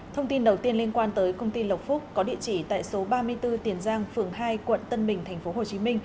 thông tin đầu tiên liên quan tới công ty lộc phúc có địa chỉ tại số ba mươi bốn tiền giang phường hai quận tân bình tp hcm